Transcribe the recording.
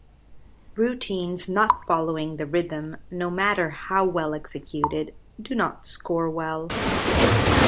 Routines not following the rhythm, no matter how well executed, do not score well.